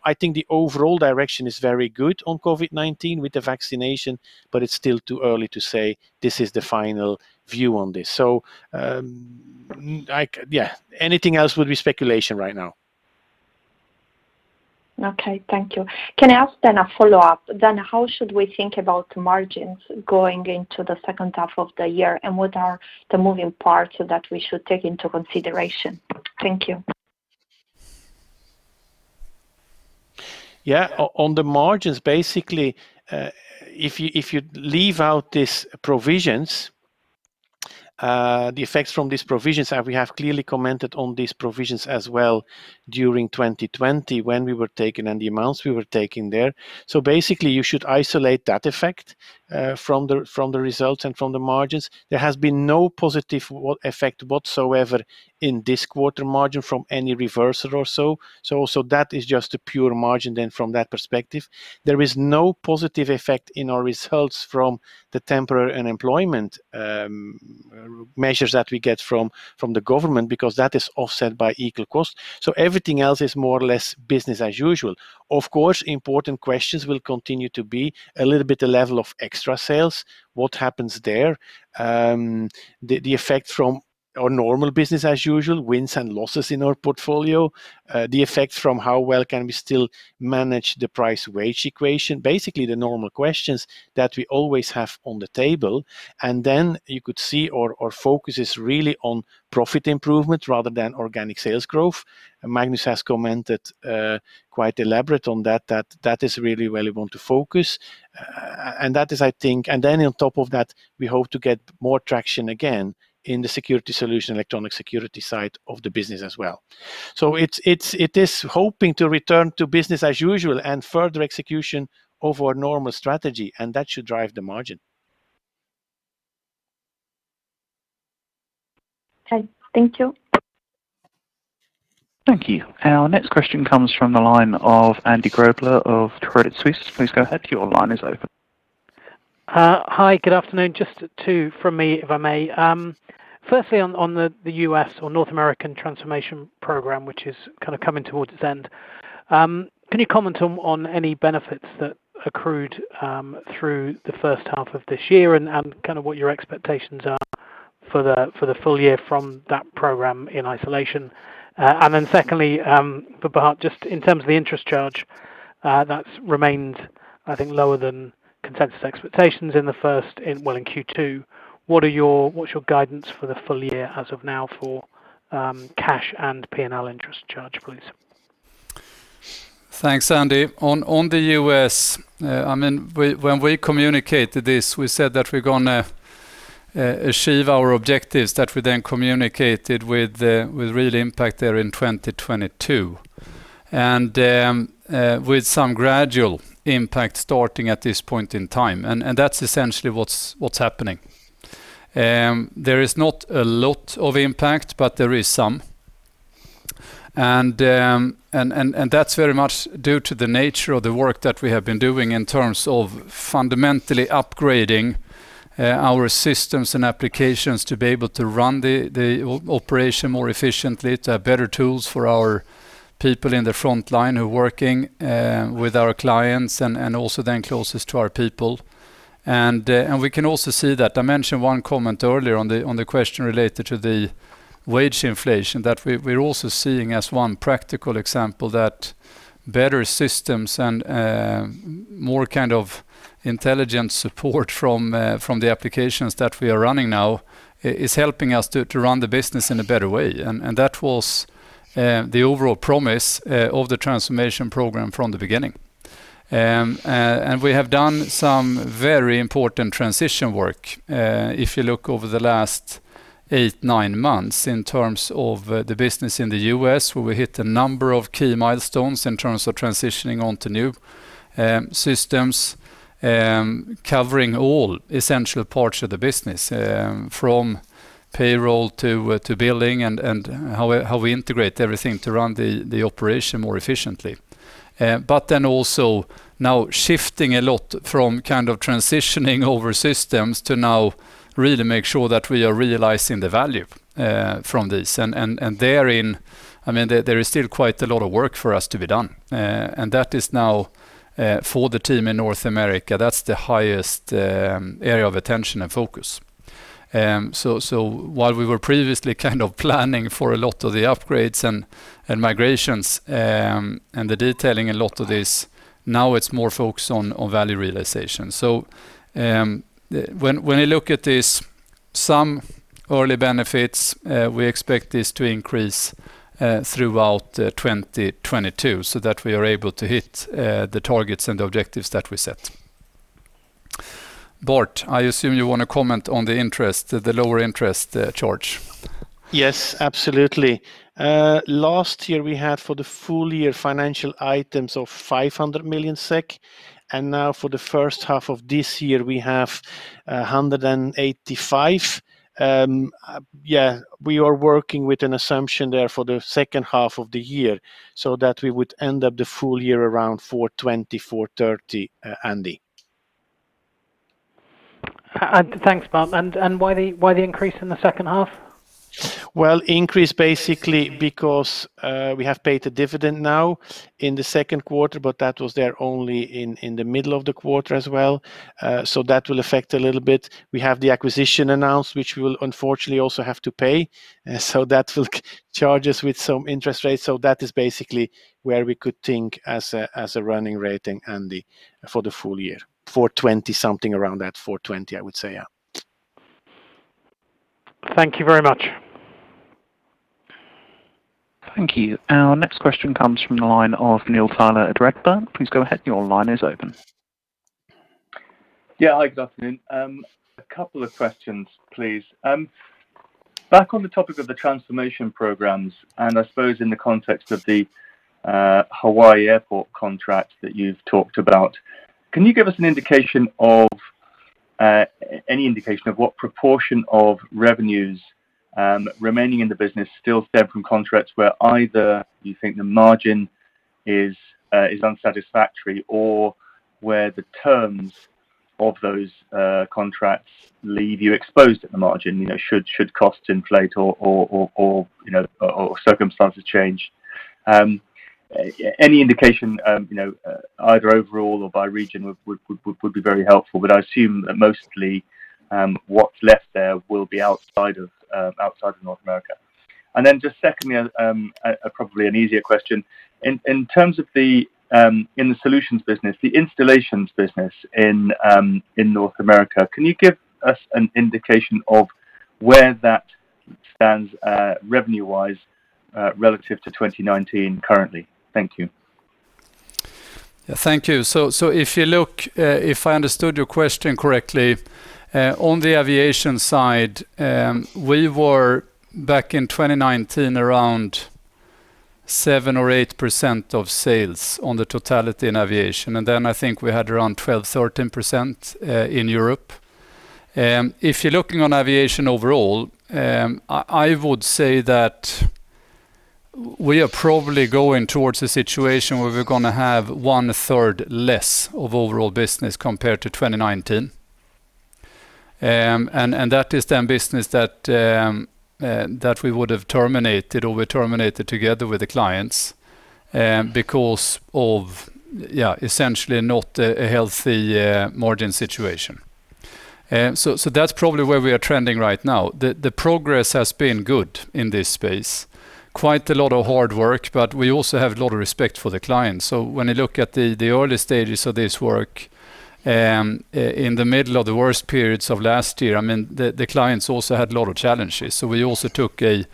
I think the overall direction is very good on COVID-19 with the vaccination, but it's still too early to say this is the final view on this. Anything else would be speculation right now. Okay, thank you. Can I ask a follow-up? How should we think about margins going into the second half of the year, and what are the moving parts that we should take into consideration? Thank you. On the margins, basically, if you leave out these provisions, the effects from these provisions, and we have clearly commented on these provisions as well during 2020 when we were taking and the amounts we were taking there. Basically, you should isolate that effect from the results and from the margins. There has been no positive effect whatsoever in this quarter margin from any reversal or so. Also that is just a pure margin from that perspective. There is no positive effect in our results from the temporary unemployment measures that we get from the government because that is offset by equal cost. Everything else is more or less business as usual. Of course, important questions will continue to be a little bit the level of extra sales, what happens there? The effect from our normal business as usual, wins and losses in our portfolio, the effect from how well can we still manage the price wage equation. Basically, the normal questions that we always have on the table. You could see our focus is really on profit improvement rather than organic sales growth. Magnus has commented quite elaborate on that is really where we want to focus. On top of that, we hope to get more traction again in the security solution, electronic security side of the business as well. It is hoping to return to business as usual and further execution of our normal strategy, and that should drive the margin. Okay. Thank you. Thank you. Our next question comes from the line of Andy Grobler of Credit Suisse. Please go ahead. Hi, good afternoon. Just two from me, if I may. Firstly, on the U.S. or North American transformation program, which is coming towards its end, can you comment on any benefits that accrued through the 1st half of this year and what your expectations are for the full year from that program in isolation? Secondly, for Bart, just in terms of the interest charge that's remained, I think, lower than consensus expectations in Q2, what's your guidance for the full year as of now for cash and P&L interest charge, please? Thanks, Andy. On the U.S., when we communicated this, we said that we're going to achieve our objectives, that we then communicated with real impact there in 2022. With some gradual impact starting at this point in time. That's essentially what's happening. There is not a lot of impact, but there is some. That's very much due to the nature of the work that we have been doing in terms of fundamentally upgrading our systems and applications to be able to run the operation more efficiently, to have better tools for our people in the frontline who are working with our clients, and also then closest to our people. We can also see that I mentioned one comment earlier on the question related to the wage inflation that we're also seeing as one practical example that better systems and more kind of intelligent support from the applications that we are running now is helping us to run the business in a better way. That was the overall promise of the transformation program from the beginning. We have done some very important transition work. If you look over the last eight, nine months in terms of the business in the U.S., where we hit a number of key milestones in terms of transitioning onto new systems, covering all essential parts of the business, from payroll to billing and how we integrate everything to run the operation more efficiently. Also now shifting a lot from transitioning over systems to now really make sure that we are realizing the value from this. Therein, there is still quite a lot of work for us to be done. That is now for the team in North America. That's the highest area of attention and focus. While we were previously planning for a lot of the upgrades and migrations, and the detailing a lot of this, now it's more focused on value realization. When we look at this, some early benefits we expect this to increase throughout 2022 so that we are able to hit the targets and objectives that we set. Bart, I assume you want to comment on the lower interest charge. Yes, absolutely. Last year we had for the full year financial items of 500 million SEK, now for the first half of this year, we have 185. We are working with an assumption there for the second half of the year so that we would end up the full year around 420-430, Andy. Thanks, Bart. Why the increase in the second half? Increase basically because we have paid a dividend now in the 2nd quarter, but that was there only in the middle of the quarter as well, so that will affect a little bit. We have the acquisition announced, which we will unfortunately also have to pay. That will charge us with some interest rates. That is basically where we could think as a running rating, Andy, for the full year. 420 something around that. 420, I would say, yeah. Thank you very much. Thank you. Our next question comes from the line of Neil Tyler at Redburn. Please go ahead. Yeah. Hi, good afternoon. A couple of questions, please. Back on the topic of the transformation programs, and I suppose in the context of the Hawaii airport contract that you've talked about, can you give any indication of what proportion of revenues remaining in the business still stem from contracts where either you think the margin is unsatisfactory or where the terms of those contracts leave you exposed at the margin, should costs inflate or circumstances change? Any indication, either overall or by region, would be very helpful, but I assume mostly what's left there will be outside of North America. Just secondly, probably an easier question. In terms of in the solutions business, the installations business in North America, can you give us an indication of where that stands revenue wise relative to 2019 currently? Thank you. Thank you. If I understood your question correctly, on the aviation side, we were back in 2019 around 7% or 8% of sales on the totality in aviation, and then I think we had around 12%, 13% in Europe. If you're looking on aviation overall, I would say that we are probably going towards a situation where we're going to have one third less of overall business compared to 2019. That is then business that we would have terminated or we terminated together with the clients, because of essentially not a healthy margin situation. That's probably where we are trending right now. The progress has been good in this space. Quite a lot of hard work, we also have a lot of respect for the clients. When I look at the early stages of this work, in the middle of the worst periods of last year, the clients also had a lot of challenges. We also took the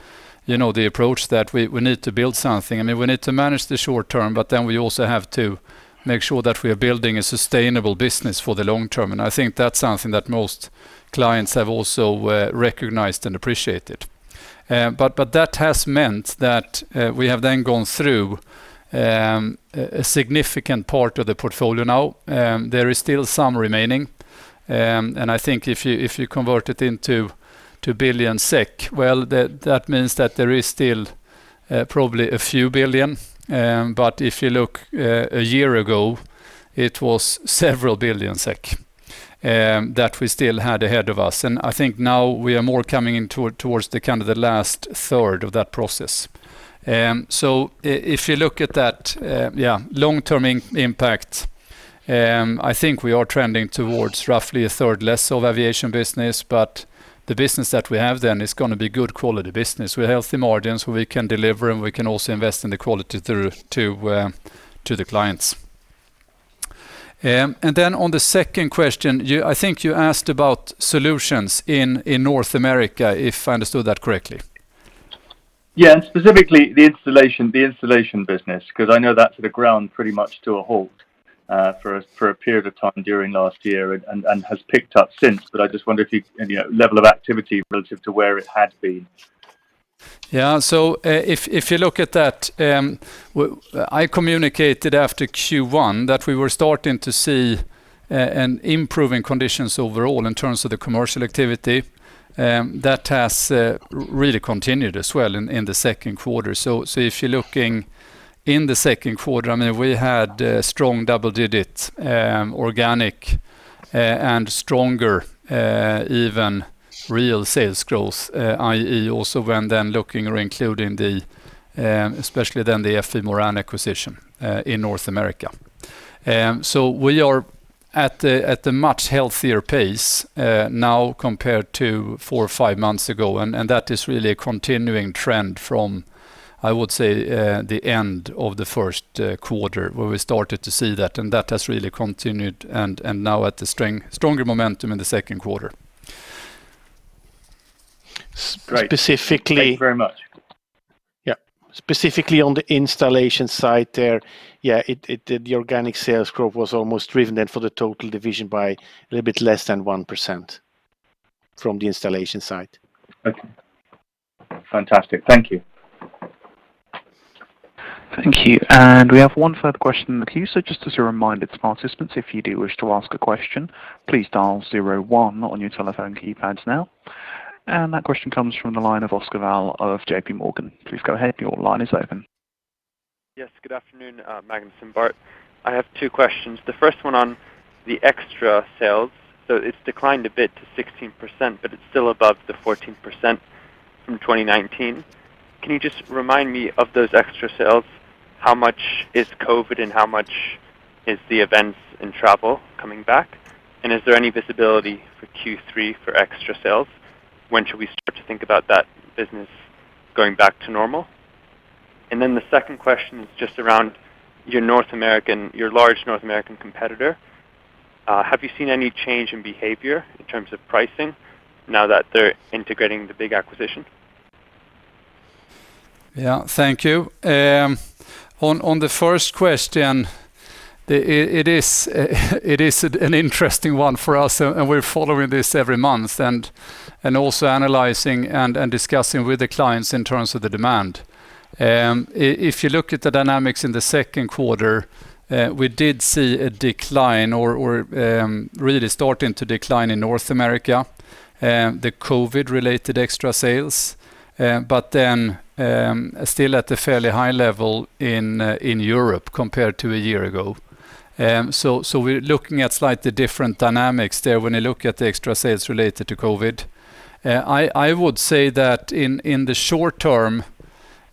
approach that we need to build something. We need to manage the short term, but then we also have to make sure that we are building a sustainable business for the long term. I think that's something that most clients have also recognized and appreciated. That has meant that we have then gone through a significant part of the portfolio now. There is still some remaining, and I think if you convert it into billion SEK, well, that means that there is still probably a few billion. If you look a year ago, it was several billion SEK that we still had ahead of us. I think now we are more coming towards the last third of that process. If you look at that long-term impact, I think we are trending towards roughly a third less of aviation business, but the business that we have then is going to be good quality business with healthy margins where we can deliver, and we can also invest in the quality to the clients. Then on the second question, I think you asked about solutions in North America, if I understood that correctly. Yeah. Specifically the installation business, because I know that's ground pretty much to a halt, for a period of time during last year and has picked up since. I just wonder if you have any level of activity relative to where it had been? Yeah. If you look at that, I communicated after Q1 that we were starting to see an improving conditions overall in terms of the commercial activity. That has really continued as well in the second quarter. If you're looking in the second quarter, we had strong double digits, organic and stronger even real sales growth, i.e., also when then looking or including especially then the FE Moran acquisition, in North America. We are at a much healthier pace now compared to four or five months ago, and that is really a continuing trend from, I would say, the end of the first quarter where we started to see that, and that has really continued and now at a stronger momentum in the second quarter. Great. Specifically- Thank you very much. Yeah. Specifically on the installation side there, yeah, the organic sales growth was almost driven then for the total division by a little bit less than 1% from the installation side. Okay. Fantastic. Thank you. Thank you. We have one further question in the queue. Just as a reminder to participants, if you do wish to ask a question, please dial zero one on your telephone keypads now. That question comes from the line of Oscar Gao of JP Morgan. Please go ahead. Your line is open. Yes. Good afternoon, Magnus and Bart. I have two questions. The first one on the extra sales. It's declined a bit to 16%, but it's still above the 14% from 2019. Can you just remind me of those extra sales? How much is COVID-19 and how much is the events and travel coming back? Is there any visibility for Q3 for extra sales? When should we start to think about that business going back to normal? The second question is just around your large North American competitor. Have you seen any change in behavior in terms of pricing now that they're integrating the big acquisition? Yeah, thank you. On the first question, it is an interesting one for us, and we're following this every month and also analyzing and discussing with the clients in terms of the demand. If you look at the dynamics in the second quarter, we did see a decline or really starting to decline in North America, the COVID related extra sales. Still at a fairly high level in Europe compared to a year ago. We're looking at slightly different dynamics there when you look at the extra sales related to COVID. I would say that in the short term,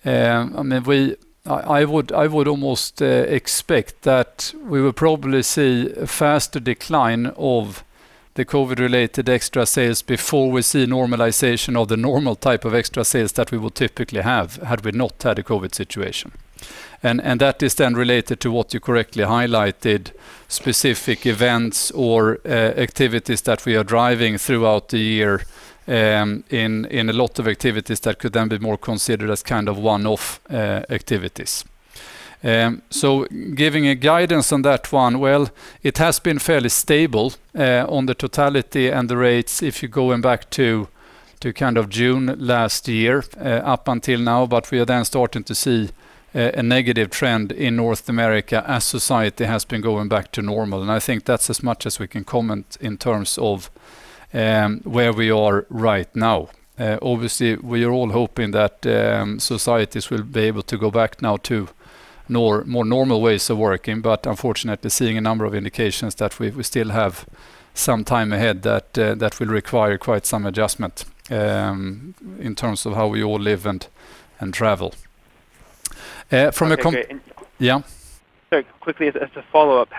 I would almost expect that we will probably see a faster decline of the COVID related extra sales before we see normalization of the normal type of extra sales that we will typically have, had we not had a COVID situation. That is then related to what you correctly highlighted, specific events or activities that we are driving throughout the year, in a lot of activities that could then be more considered as kind of one-off activities. Giving a guidance on that one, well, it has been fairly stable on the totality and the rates if you're going back to June last year up until now. We are then starting to see a negative trend in North America as society has been going back to normal. I think that's as much as we can comment in terms of where we are right now. Obviously, we are all hoping that societies will be able to go back now to more normal ways of working, unfortunately, seeing a number of indications that we still have some time ahead that will require quite some adjustment in terms of how we all live and travel. Okay. Yeah. Sorry, quickly as a follow-up,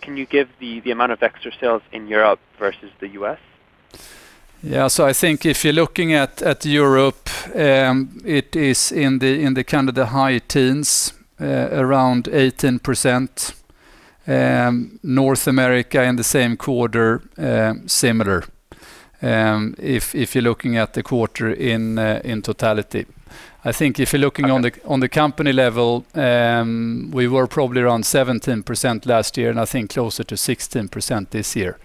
can you give the amount of extra sales in Europe versus the U.S.? I think if you're looking at Europe, it is in the high teens, around 18%. North America, in the same quarter, similar, if you're looking at the quarter in totality. I think if you're looking on the company level, we were probably around 17% last year, and I think closer to 16% this year.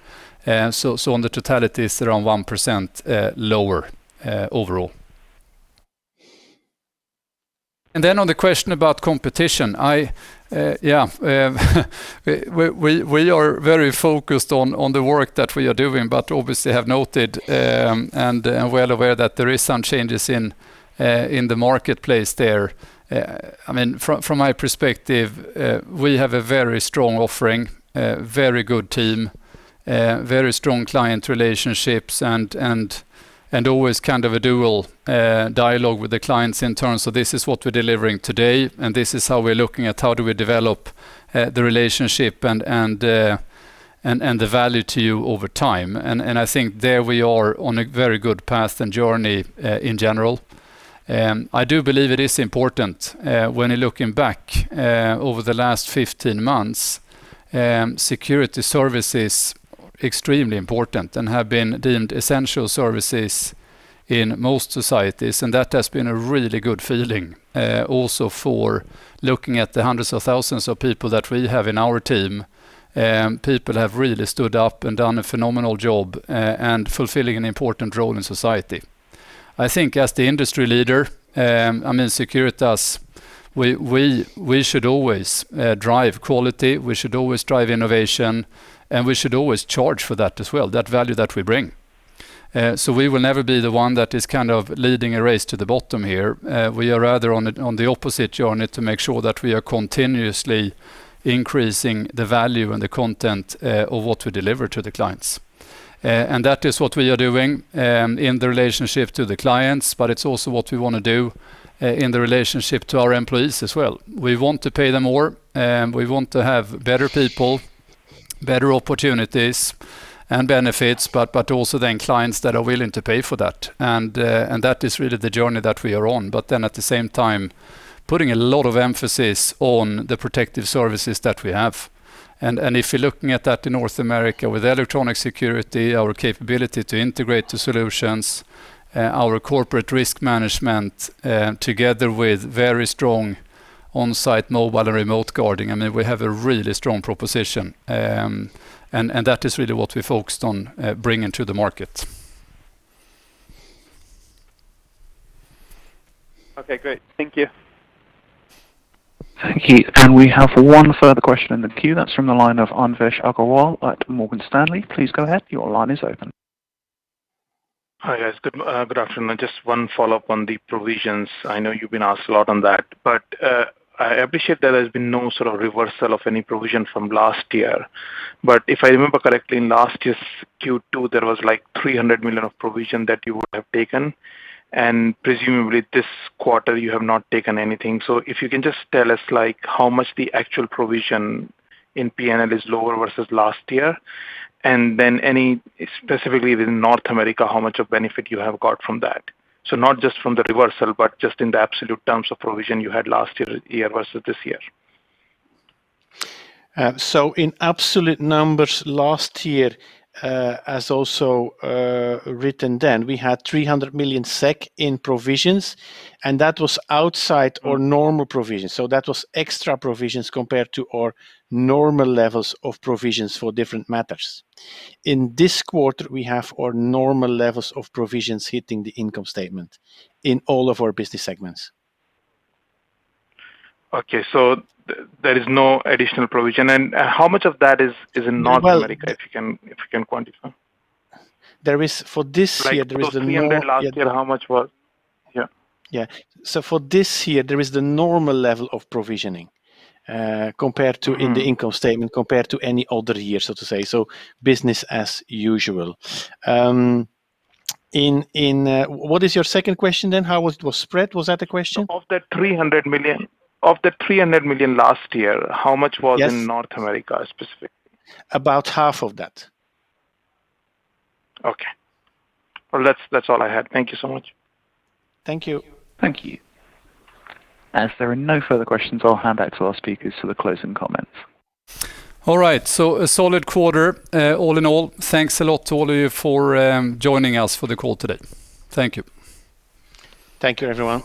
On the totality, it's around 1% lower overall. On the question about competition, we are very focused on the work that we are doing, but obviously have noted, and well aware that there is some changes in the marketplace there. From my perspective, we have a very strong offering, very good team, very strong client relationships, and always a dual dialogue with the clients in terms of this is what we're delivering today, and this is how we're looking at how do we develop the relationship and the value to you over time. I think there we are on a very good path and journey in general. I do believe it is important when you're looking back over the last 15 months, security services extremely important and have been deemed essential services in most societies, and that has been a really good feeling. Also for looking at the hundreds of thousands of people that we have in our team. People have really stood up and done a phenomenal job, and fulfilling an important role in society. I think as the industry leader, Securitas, we should always drive quality, we should always drive innovation, and we should always charge for that as well, that value that we bring. We will never be the one that is leading a race to the bottom here. We are rather on the opposite journey to make sure that we are continuously increasing the value and the content of what we deliver to the clients. That is what we are doing in the relationship to the clients, it is also what we want to do in the relationship to our employees as well. We want to pay them more, we want to have better people, better opportunities and benefits, but also then clients that are willing to pay for that. That is really the journey that we are on. At the same time, putting a lot of emphasis on the protective services that we have. If you're looking at that in North America with electronic security, our capability to integrate to solutions our corporate risk management, together with very strong on-site mobile and remote guarding, we have a really strong proposition. That is really what we're focused on bringing to the market. Okay, great. Thank you. Thank you, and we have one further question in the queue. That's from the line of Anvesh Agrawal at Morgan Stanley. Please go ahead, your line is open. Hi, guys. Good afternoon. Just one follow-up on the provisions. I know you've been asked a lot on that, but I appreciate there has been no sort of reversal of any provision from last year. If I remember correctly, in last year's Q2, there was like 300 million of provision that you would have taken, and presumably this quarter you have not taken anything. If you can just tell us how much the actual provision in P&L is lower versus last year? Specifically within North America, how much of benefit you have got from that? Not just from the reversal, but just in the absolute terms of provision you had last year versus this year. In absolute numbers last year as also written then, we had 300 million SEK in provisions, and that was outside our normal provisions. That was extra provisions compared to our normal levels of provisions for different matters. In this quarter, we have our normal levels of provisions hitting the income statement in all of our business segments. Okay. There is no additional provision. How much of that is in North America? Well- if you can quantify? For this year, there is the nor--. Like it was SEK 300 last year. How much was? Yeah. Yeah. For this year, there is the normal level of provisioning in the income statement compared to any other year, so to say. Business as usual. What is your second question, then? How it was spread, was that the question? Of the 300 million last year, how much was? Yes In North America specifically? About half of that. Okay. Well, that's all I had. Thank you so much. Thank you. Thank you. As there are no further questions, I will hand back to our speakers for the closing comments. All right. A solid quarter all in all. Thanks a lot to all of you for joining us for the call today. Thank you. Thank you, everyone.